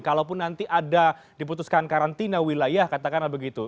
kalaupun nanti ada diputuskan karantina wilayah katakanlah begitu